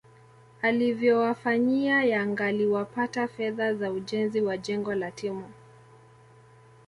alivyowafanyia yangaaliwapata fedha za ujenzi wa jengo la timu